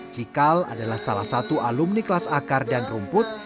cikal adalah salah satu alumni kelas akar dan rumput